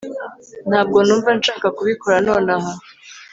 Ntabwo numva nshaka kubikora nonaha